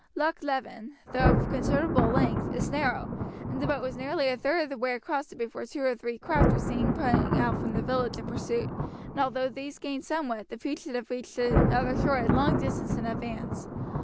Loch Leven, though of considerable length, is narrow, and the boat was nearly a third of the way across it before two or three craft were seen putting out from the village in pursuit, and although these gained somewhat, the fugitives reached the other shore a long distance in advance.